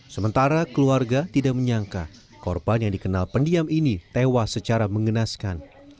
sementara keluarga tidak menyangka korban yang dikenal pendiam ini tewas secara mengenaskan